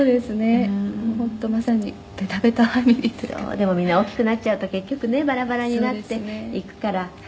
でもみんな大きくなっちゃうと結局ねバラバラになっていくから今本当にベタッと」